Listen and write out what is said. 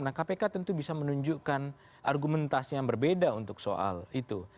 nah kpk tentu bisa menunjukkan argumentasi yang berbeda untuk soal itu